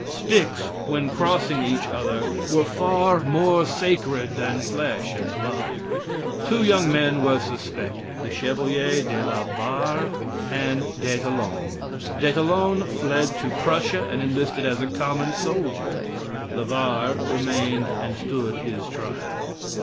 Sticks, when crossing each other, were far more sacred than flesh and blood. Two young men were suspected the Chevalier de la Barre and d'Ettalonde. D'Ettallonde fled to Prussia and enlisted as a common soldier. La Barre remained and stood his trial.